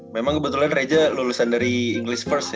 memang kebetulan gereja lulusan dari english first ya